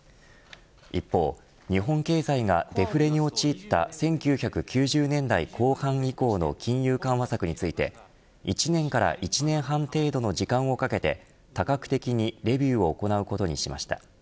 一方、日本経済がデフレに陥った１９９０年代後半以降の金融緩和策について１年から１年半程度の時間をかけて多角的にレビューを行うことにしました。